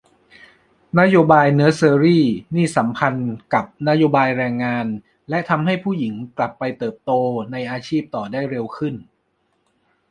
นโยบายเนอสเซอรีนี่สัมพันธ์กับนโยบายแรงงาน และทำให้ผู้หญิงกลับไปเติบโตในอาชีพต่อได้เร็วขึ้น